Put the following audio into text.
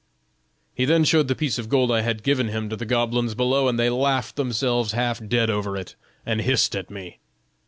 "He then showed the piece of gold I had given him to the goblins below, and they laughed themselves half dead over it and hissed at me.